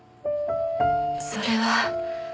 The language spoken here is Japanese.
それは。